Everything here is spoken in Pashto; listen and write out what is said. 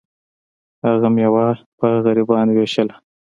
هغه میوه په غریبانو ویشله.